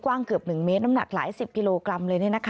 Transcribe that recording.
เกือบ๑เมตรน้ำหนักหลายสิบกิโลกรัมเลย